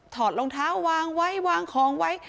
ถอดลองเท้าวางไว้